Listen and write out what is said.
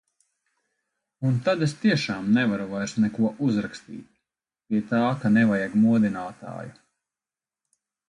Un tad es tiešām nevaru vairs neko uzrakstīt. Pie tā, ka nevajag modinātāju.